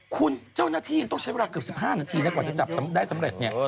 คุณเจ้าหน้าที่ยังต้องใช้เวลาเกือบ๑๕นาทีนะกว่าจะจับได้สำเร็จเนี่ย